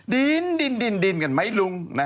ดินกันไหมลุง